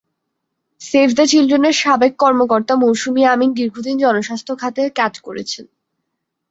Save the চিলড্রেনের সাবেক কর্মকর্তা মৌসুমী আমীন দীর্ঘদিন জনস্বাস্থ্য খাতে কাজ করছেন।